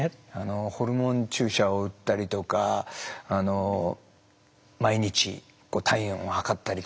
ホルモン注射を打ったりとか毎日体温を測ったりとか。